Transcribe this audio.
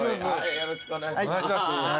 よろしくお願いします。